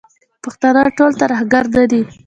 پښتانه ټول ترهګر نه دي.